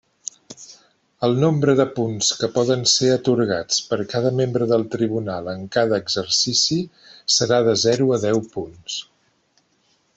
El nombre de punts que poden ser atorgats per cada membre del tribunal en cada exercici serà de zero a deu punts.